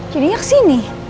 jadi ya ke sini